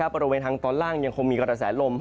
บริเวณทางตอนล่างยังคงมีกระแสลม